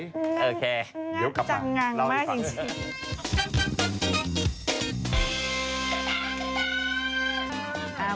งะจังงังมากจริง